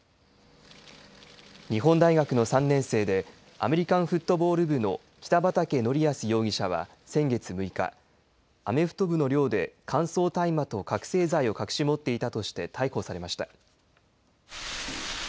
日本大学の３年生でアメリカンフットボール部の北畠成文容疑者は先月６日、アメフト部の寮で乾燥大麻と覚醒剤を隠し持っていたとして逮捕されました。